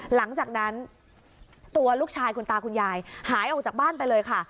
หลังจากนั้นตัวลูกชายคุณตาคุณยายหายออกจากบ้านไปเลยค่ะ